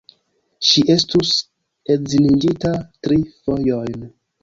Ŝi estus edziniĝinta tri fojojn.